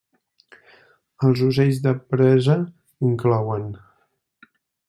Els ocells de presa inclouen: